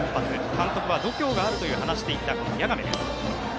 監督は度胸があると話していた谷亀です。